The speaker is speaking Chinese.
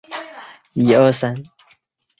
鼓山珠灵殿创建于日治时期大正十五年。